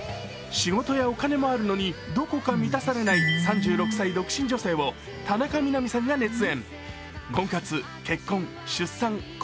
仕事やお金もあるのにどこか満たされない３６歳独身女性を田中みな実さんが熱演。